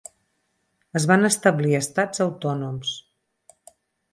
Es van establir estats autònoms.